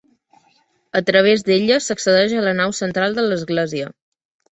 A través d'ella s'accedeix a la nau central de l'església.